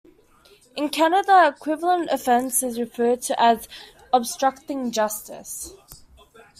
In Canada, the equivalent offence is referred to as "obstructing justice".